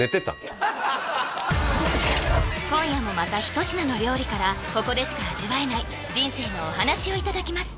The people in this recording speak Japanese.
今夜もまた一品の料理からここでしか味わえない人生のお話をいただきます